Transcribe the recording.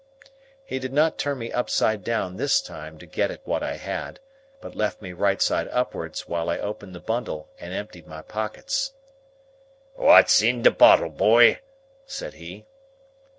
He did not turn me upside down this time to get at what I had, but left me right side upwards while I opened the bundle and emptied my pockets. "What's in the bottle, boy?" said he.